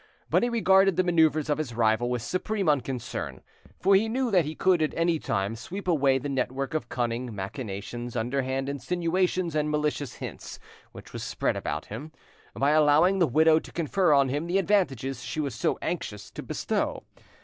But he regarded the manoeuvres of his rival with supreme unconcern, for he knew that he could at any time sweep away the network of cunning machinations, underhand insinuations, and malicious hints, which was spread around him, by allowing the widow to confer on him the advantages she was so anxious to bestow.